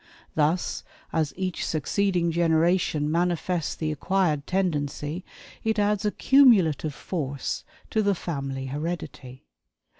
Thus as each succeeding generation manifests the acquired tendency, it adds a cumulative force to the family heredity.